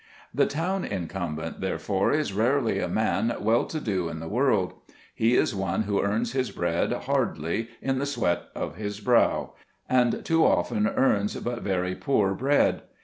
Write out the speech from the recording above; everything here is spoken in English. The town incumbent, therefore, is rarely a man well to do in the world. He is one who earns his bread hardly in the sweat of his brow, and too often earns but very poor bread.